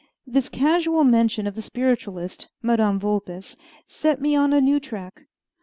This casual mention of the spiritualist, Madame Vulpes, set me on a new track.